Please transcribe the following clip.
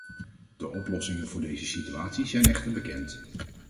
De oplossingen voor deze situatie zijn echter bekend.